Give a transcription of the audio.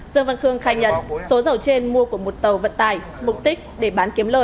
dương văn khương khai nhận số dầu trên mua của một tàu vận tải mục đích để bán kiếm lời